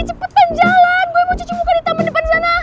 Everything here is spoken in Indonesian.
cepetan jalan gue mau cuci muka di taman depan sana